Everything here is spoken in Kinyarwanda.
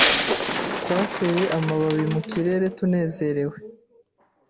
Twateye amababi mu kirere tunezerewe